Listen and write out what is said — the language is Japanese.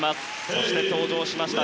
そして登場しました